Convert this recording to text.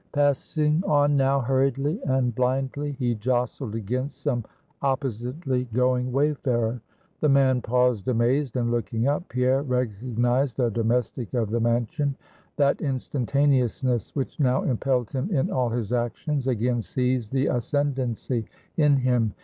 Passing on now hurriedly and blindly, he jostled against some oppositely going wayfarer. The man paused amazed; and looking up, Pierre recognized a domestic of the Mansion. That instantaneousness which now impelled him in all his actions, again seized the ascendency in him.